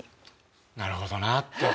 「なるほどな」って。